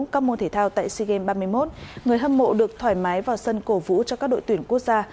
các môn thể thao tại sea games ba mươi một người hâm mộ được thoải mái vào sân cổ vũ cho các đội tuyển quốc gia